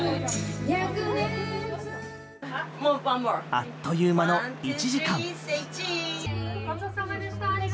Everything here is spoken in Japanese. あっという間の１時間。